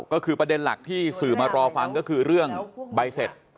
ก็คือประเด็นหลักที่สื่อมารอฟังก็คือเรื่องใบเสร็จ